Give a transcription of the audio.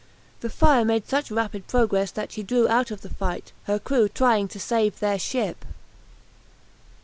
The fire made such rapid progress that she drew out of the fight, her crew trying to save their ship.